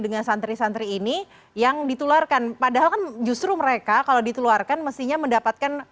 dengan santri santri ini yang ditularkan padahal kan justru mereka kalau ditularkan mestinya mendapatkan